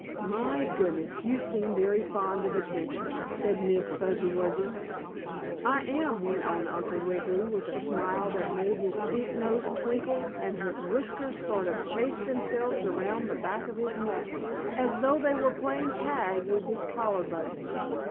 "My goodness! You seem very fond of adventures!" said Miss Fuzzy Wuzzy. "I am," went on Uncle Wiggily, with a smile that made his pink nose twinkle and his whiskers sort of chase themselves around the back of his neck, as though they were playing tag with his collar button.